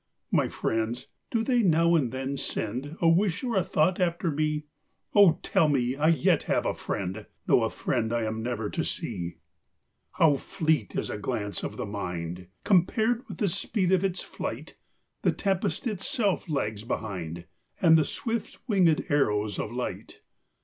My friends, — do they now and then send A wish or a thought after me ? O tell me I yet have a friend, Though a friend I am never to see. How fleet is the glance of the mind ! Compared with the speed of its flight, The tempest itself lags behind, And the swift winged arrows of light.